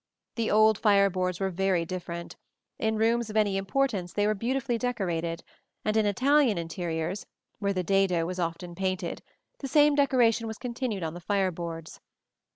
The old fire boards were very different: in rooms of any importance they were beautifully decorated, and in Italian interiors, where the dado was often painted, the same decoration was continued on the fire boards.